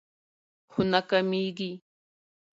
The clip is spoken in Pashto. خو ناکامیږي